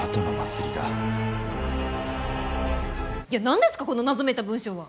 何ですかこの謎めいた文章は。